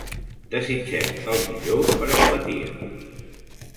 Desitgem el millor per al Maties.